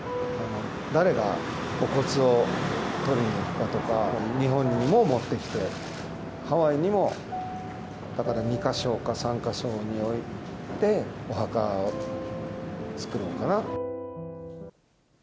誰がお骨を取りに行くかとか、日本にも持ってきて、ハワイにも、２か所か３か所に置いて、お墓を作ろうかな。